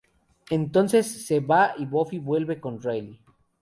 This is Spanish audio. Entonces se va y Buffy vuelve con Riley.